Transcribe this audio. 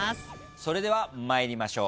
それでは参りましょう。